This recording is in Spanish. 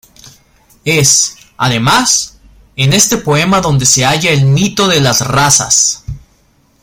Es, además, en este poema donde se halla el mito de las razas.